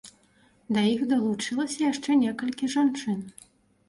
Да іх далучылася яшчэ некалькі жанчын.